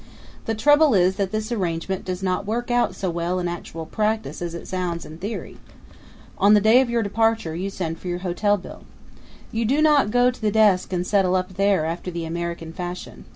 The trouble is that this arrangement does not work out so well in actual practice as it sounds in theory. On the day of your departure you send for your hotel bill. You do not go to the desk and settle up there after the American fashion.